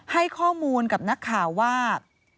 ให้ข้อมูลกับนักข่าวว่า